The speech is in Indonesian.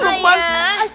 ya allah ya allah